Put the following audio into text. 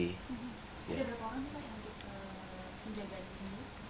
sudah berapa orang untuk menjaga itu sendiri